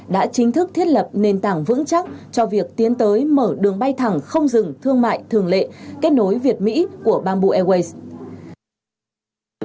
đã chính thức thiết lập nền tảng vững chắc cho việc tiến tới mở đường bay thẳng không dừng thương mại thường lệ kết nối việt mỹ của bamboo airways